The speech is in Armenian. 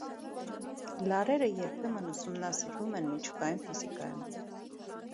Լարերը երբեմն ուսումնասիրվում են միջուկային ֆիզիկայում։